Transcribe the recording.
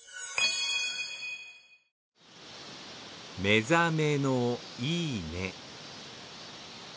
「目覚めのいい音」